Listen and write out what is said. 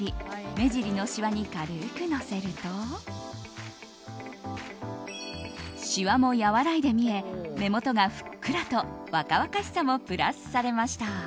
目尻のしわに軽くのせるとしわも和らいで見え目元がふっくらと若々しさもプラスされました。